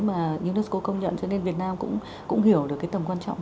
mà unesco công nhận cho nên việt nam cũng hiểu được cái tầm quan trọng